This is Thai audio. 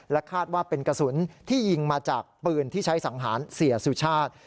คาดว่าเป็นกระสุนที่ยิงมาจากปืนที่ใช้สังหารเสียสุชาติ